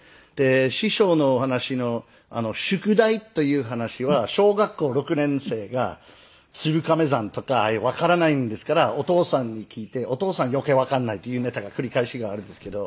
師匠のお話の『宿題』という話は小学校６年生がつるかめ算とかわからないんですからお父さんに聞いてお父さん余計わかんないっていうネタが繰り返しがあるんですけど。